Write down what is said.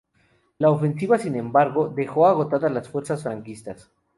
La ofensiva, sin embargo, dejó agotadas a las fuerzas franquistas.